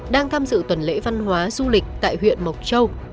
đang tham dự tuần lễ văn hóa du lịch tại huyện mộc châu